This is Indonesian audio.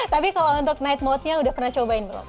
tapi kalau untuk night mode nya udah pernah cobain bro